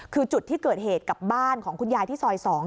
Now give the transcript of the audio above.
คือจุดที่เกิดเหตุกับบ้านของคุณยายที่ซอย๒